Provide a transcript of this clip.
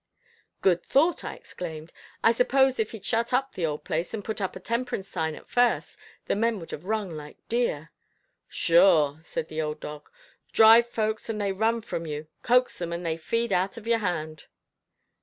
"Good thought," I exclaimed. "I suppose if he'd shut up the old place, and put up a temperance sign at first, the men would have run like deer." "Sure," said the old dog, "drive folks, and they run from you; coax 'em, and they feed out of your hand."